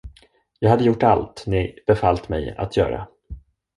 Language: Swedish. Jag hade gjort allt, ni befallt mig att göra.